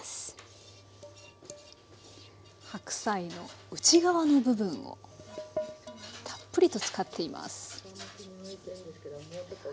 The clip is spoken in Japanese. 白菜の内側の部分をたっぷりと使っています。